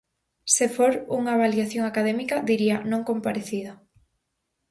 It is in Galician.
Se for unha avaliación académica, diría 'non comparecida'.